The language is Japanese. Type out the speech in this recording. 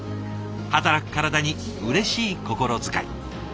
働く体にうれしい心遣い。